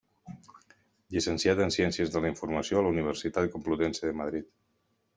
Llicenciat en Ciències de la Informació a la Universitat Complutense de Madrid.